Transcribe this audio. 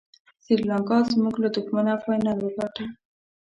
سریلانکا زموږ له دښمنه فاینل وګاټه.